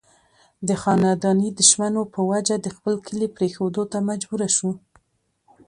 د خانداني دشمنو پۀ وجه د خپل کلي پريښودو ته مجبوره شو